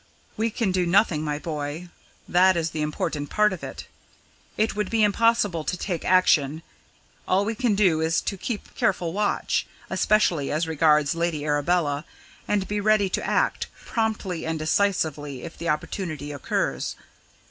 "We can do nothing, my boy that is the important part of it. It would be impossible to take action all we can do is to keep careful watch, especially as regards Lady Arabella, and be ready to act, promptly and decisively, if the opportunity occurs."